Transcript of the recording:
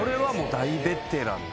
大ベテランだ。